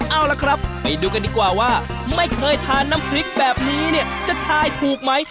เอาล่ะครับไปดูกันดีกว่าว่าไม่เคยทานน้ำพริกแบบนี้เนี่ยจะทายถูกไหม